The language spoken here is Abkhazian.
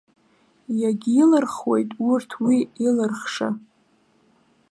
Иагьилырхуеит урҭ уи илырхыша.